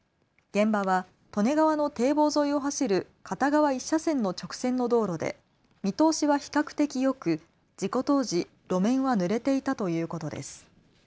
現場は利根川の堤防沿いを走る片側１車線の直線の道路で見通しは比較的よく事故当時、路面はぬれていたということです。